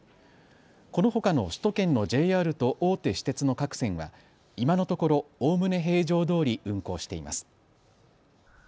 このほかの首都圏のＪＲと大手私鉄の各線は今のところ、おおむね平常どおり運行しています。